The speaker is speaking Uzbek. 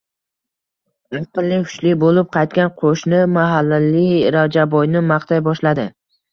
aqlli-hushli boʼlib qaytgan qoʼshni mahallali Rajabboyni maqtay boshladi.